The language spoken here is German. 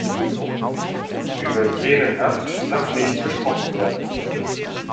Über jene Nacht darf nicht gesprochen werden.